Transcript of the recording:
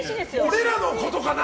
俺らのことかな！